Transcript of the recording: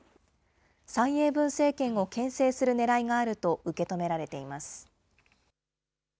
蔡英文政権をけん制するねらいがあると受け止められています。